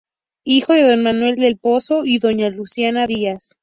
Hijo de don Manuel del Pozo y doña Luciana Díaz.